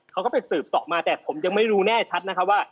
เขาก็ไปสืบสอบมาแต่ผมยังไม่รู้แน่ชัดนะครับว่า